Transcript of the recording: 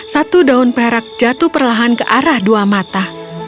satu daun perak jatuh perlahan ke arah dua mata